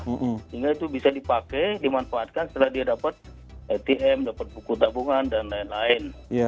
sehingga itu bisa dipakai dimanfaatkan setelah dia dapat atm dapat buku tabungan dan lain lain